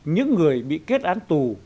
những người bị kết án tù